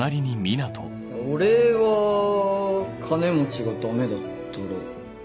俺は金持ちがダメだったら。